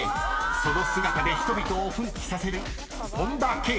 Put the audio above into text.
その姿で人々を奮起させる］